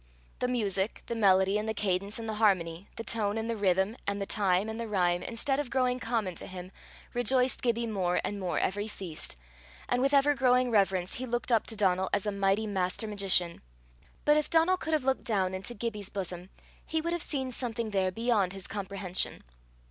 The music, the melody and the cadence and the harmony, the tone and the rhythm and the time and the rhyme, instead of growing common to him, rejoiced Gibbie more and more every feast, and with ever growing reverence he looked up to Donal as a mighty master magician. But if Donal could have looked down into Gibbie's bosom, he would have seen something there beyond his comprehension.